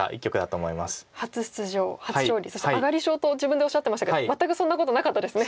初出場初勝利そして上がり症と自分でおっしゃってましたけど全くそんなことなかったですね。